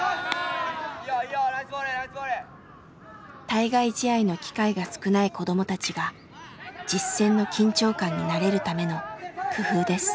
対外試合の機会が少ない子供たちが実戦の緊張感に慣れるための工夫です。